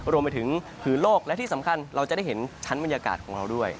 รวมไปถึงโลกและที่สำคัญเราจะได้เห็นชั้นบรรยากาศของเราด้วย